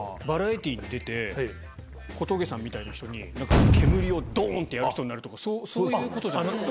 バラエティーに出て、小峠さんみたいな人に、なんか、煙をどーんってやる人になるとか、そういうことじゃ？